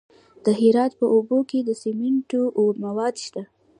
د هرات په اوبې کې د سمنټو مواد شته.